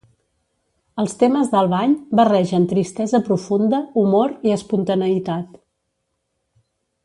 Els temes d'Albany barregen tristesa profunda, humor i espontaneïtat.